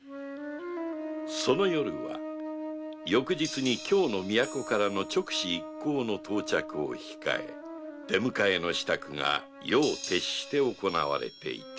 その夜は翌日に京の都からの勅使一行の到着を控え出迎えの支度が夜を徹して行われていた